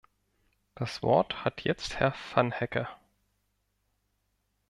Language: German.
Das Wort hat jetzt Herr Vanhecke.